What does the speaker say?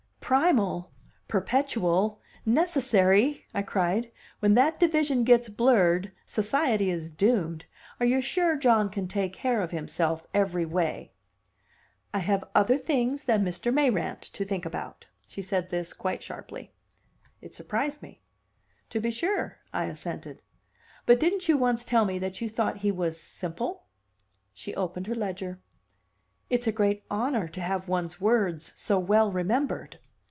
"Primal, perpetual, necessary!" I cried. "When that division gets blurred, society is doomed. Are you sure John can take care of himself every way?" "I have other things than Mr. Mayrant to think about." She said this quite sharply. It surprised me. "To be sure," I assented. "But didn't you once tell me that you thought he was simple?" She opened her ledger. "It's a great honor to have one's words so well remembered."